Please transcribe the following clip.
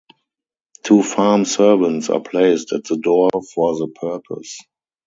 Two farm-servants are placed at the door for the purpose.